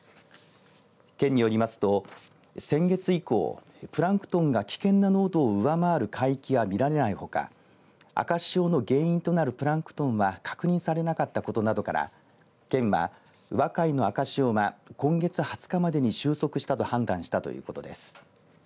県によりますと、先月以降プランクトンが危険な濃度を上回る海域が見られないほか赤潮の原因となるプランクトンは確認されなかったことなどから県は、宇和海の赤潮は今月２０日までに終息したと判断したということです。